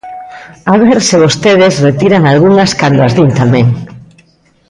A ver se vostedes retiran algunhas cando as din tamén.